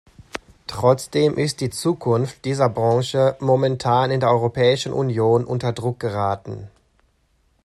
Trotzdem ist die Zukunft dieser Branche momentan in der Europäischen Union unter Druck geraten.